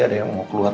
ada yang mau keluar